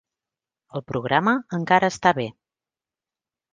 El programa encara està bé.